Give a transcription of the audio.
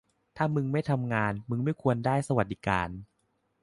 ถ้ามึงไม่ทำงานมึงไม่ควรได้สวัสดิการ